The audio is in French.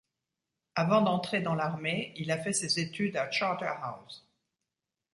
Avant d'entrer dans l'armée, il a fait ses études à Charterhouse.